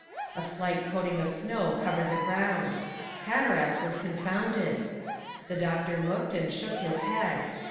A slight coating of snow covered the ground. Hatteras was confounded. The doctor looked and shook his head.